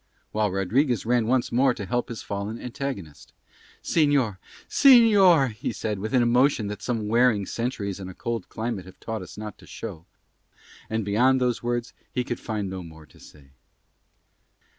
While Rodriguez ran once more to help his fallen antagonist. "Señor, señor," he said with an emotion that some wearing centuries and a cold climate have taught us not to show, and beyond those words he could find no more to say.